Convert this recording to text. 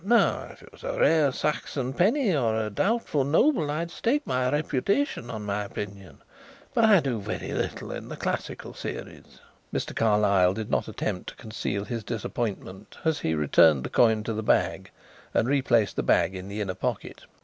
Now if it was a rare Saxon penny or a doubtful noble I'd stake my reputation on my opinion, but I do very little in the classical series." Mr. Carlyle did not attempt to conceal his disappointment as he returned the coin to the bag and replaced the bag in the inner pocket.